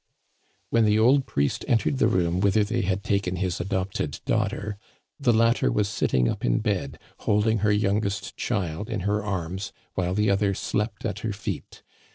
When the old priest entered the room whither they had taken his adopted daughter, the latter was sitting up in bed, holding her youngest child in her arms while the other slept at her feet.